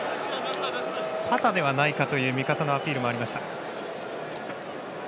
肩ではないかという味方のアピールもありました。